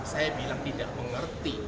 saya bilang tidak mengerti